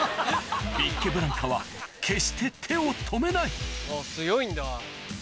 ビッケブランカは決して手を止めない強いんだ。